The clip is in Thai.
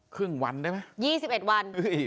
ครึ่งวันได้ไหม๒๑วัน